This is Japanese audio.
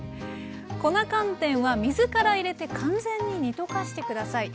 粉寒天は水から入れて完全に煮溶かして下さい。